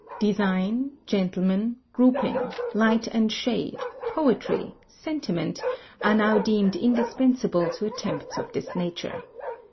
Design, gentlemen, grouping, light and shade, poetry, sentiment, are now deemed indispensable to attempts of this nature.